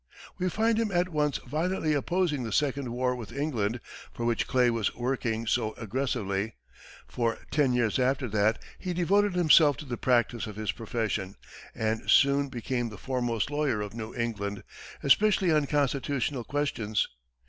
We find him at once violently opposing the second war with England, for which Clay was working so aggressively. For ten years after that, he devoted himself to the practice of his profession, and soon became the foremost lawyer of New England, especially on constitutional questions.